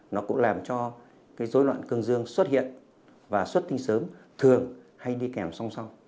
nó cũng làm cho cái dối loạn cương dương xuất hiện và xuất tinh sớm thường hay đi kèm song song